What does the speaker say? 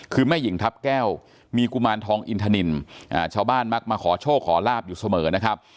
คือแม่หญิงทัพแก้วมีกุมารทองอินทนินชาวบ้านมักมาขอโชคขอลาบอยู่เสมอนะครับ